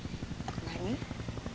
何？